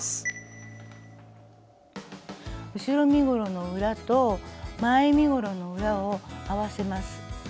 後ろ身ごろの裏と前身ごろの裏を合わせます。